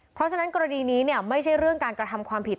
เพราะฉะนั้นกรณีนี้ไม่ใช่เรื่องการกระทำความผิด